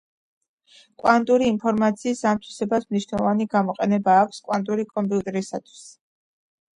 კვანტური ინფორმაციის ამ თვისებას მნიშვნელოვანი გამოყენება აქვს კვანტური კომპიუტერებისთვის.